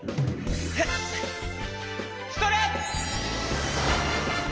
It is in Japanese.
ストレッ！